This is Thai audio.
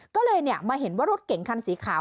ก็เลยมาเห็นว่ารถเก่งคันสีขาว